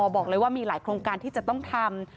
บอกเลยว่ามีหลายโครงการที่จะต้องทำ